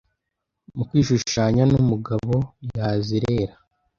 Mu kwishushanya numugabo yazerera